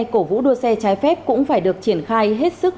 cổ vũ đua xe trái phép cũng phải được triển khai hết sức